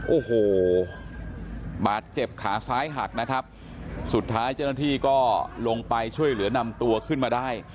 โอ้โหบาดเจ็บขาซ้ายหักนะครับสุดท้ายเจ้าหน้าที่ก็ลงไปช่วยเหลือนำตัวขึ้นมาได้